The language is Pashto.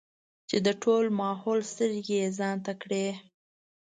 چې د ټول ماحول سترګې يې ځان ته کړې ـ